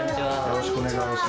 よろしくお願いします。